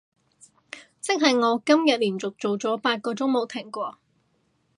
即係我今日連續做咗八個鐘冇停過